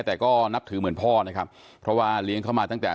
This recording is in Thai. แต่ก็นับถือเหมือนพ่อนะครับเพราะว่าเลี้ยงเข้ามาตั้งแต่